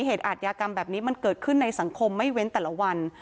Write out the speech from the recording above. อาทยากรรมแบบนี้มันเกิดขึ้นในสังคมไม่เว้นแต่ละวัน